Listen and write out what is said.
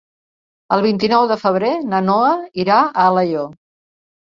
El vint-i-nou de febrer na Noa irà a Alaior.